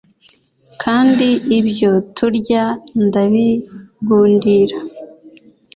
Kandi ibyo turya ndabigundira